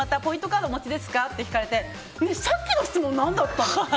カードお持ちですか？って聞かれてさっきの質問なんだったの？